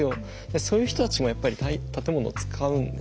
そういう人たちもやっぱり建物を使うんですよ。